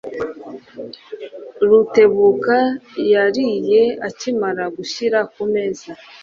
Rutebuka yariye akimara gushyira kumeza.